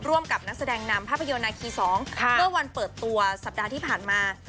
ร่วมกับนักแสดงนำภาพยนตร์นาคี๒เมื่อวันเปิดตัวสัปดาห์ที่ผ่านมา